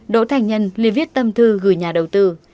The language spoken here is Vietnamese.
đỗ thành nhân ly viết tâm thư gửi nhà đầu tư